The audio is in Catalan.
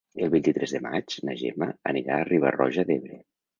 El vint-i-tres de maig na Gemma anirà a Riba-roja d'Ebre.